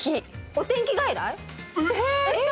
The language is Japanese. お天気外来？